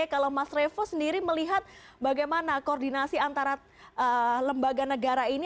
kalau mas revo sendiri melihat bagaimana koordinasi antara lembaga negara ini